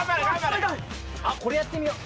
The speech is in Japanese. あっこれやってみよう。